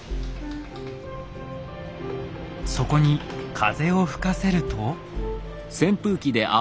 そこに風を吹かせると。